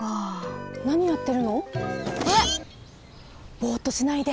ボッとしないで！